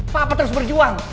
papa terus berjuang